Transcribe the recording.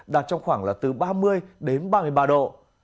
đạt trong khoảng là từ ba mươi đến ba mươi ba độ